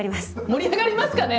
盛り上がりますかね？